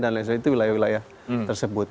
dan lain lain itu wilayah wilayah tersebut